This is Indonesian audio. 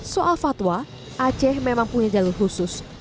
soal fatwa aceh memang punya jalur khusus